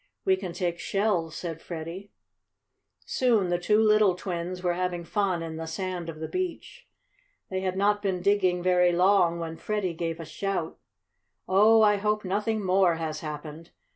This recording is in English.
"We can take shells," said Freddie. Soon the two little twins were having fun in the sand of the beach. They had not been digging very long when Freddie gave a shout. "Oh, I hope nothing more has happened!"